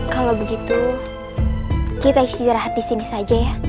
kalau begitu kita istirahat di sini saja ya